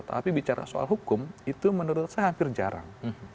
tapi bicara soal hukum itu menurut saya hampir jarang